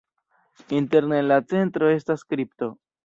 Interne en la centro estas kripto.